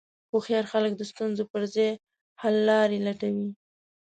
هوښیار خلک د ستونزو پر ځای حللارې لټوي.